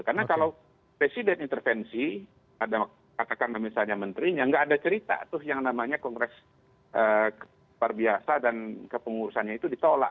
karena kalau presiden intervensi ada katakanlah misalnya menterinya nggak ada cerita tuh yang namanya kongres parbiasa dan kepengurusannya itu ditolak